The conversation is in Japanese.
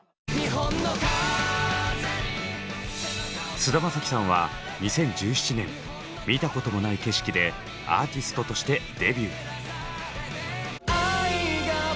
菅田将暉さんは２０１７年「見たこともない景色」でアーティストとしてデビュー。